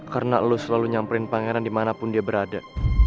karena lo selalu nyamperin pangeran dimanapun dia berada